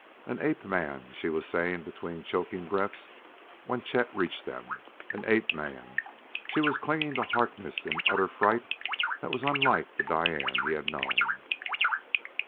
"An ape!" she was saying between choking breaths when Chet reached them. "An ape man!" She was clinging to Harkness in utter fright that was unlike the Diane he had known.